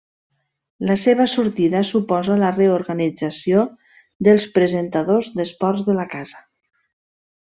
La seva sortida suposa la reorganització dels presentadors d'esports de la casa.